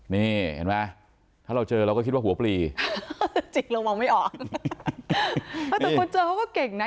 นี่เห็นไหมถ้าเราเจอเราก็คิดว่าหัวปลีจิกเรามองไม่ออกแต่คนเจอเขาก็เก่งนะ